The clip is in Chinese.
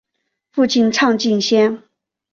父亲畅敬先。